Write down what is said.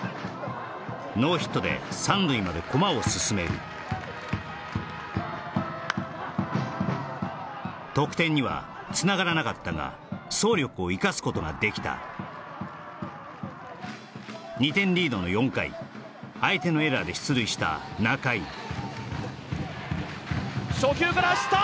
ノーヒットで三塁まで駒を進める得点にはつながらなかったが走力を生かすことができた２点リードの４回相手のエラーで出塁した中井初球から走った！